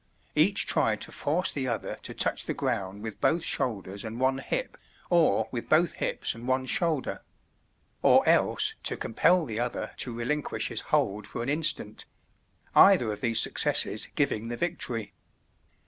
Each tried to force the other to touch the ground with both shoulders and one hip, or with both hips and one shoulder; or else to compel the other to relinquish his hold for an instant either of these successes giving the victory.